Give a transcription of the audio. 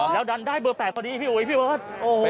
อ๋อเหรอแล้วดันได้เบอร์๘พอดีพี่อุ๊ยพี่เวิร์ท